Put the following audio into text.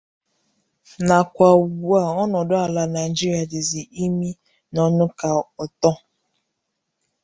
nakwa ugbua ọnọdụ ala Nigeria dịzị imi na ọnụ ka ntọọ.